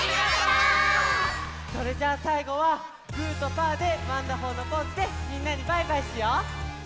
それじゃあさいごはグーとパーでワンダホーのポーズでみんなにバイバイしよう！